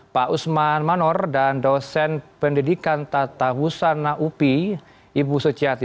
pak usman manor dan dosen pendidikan tata husana upi ibu suciati